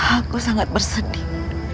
aku sangat bersedih